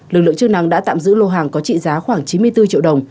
lực lượng chức năng đã tạm giữ lô hàng có trị giá khoảng chín mươi bốn triệu đồng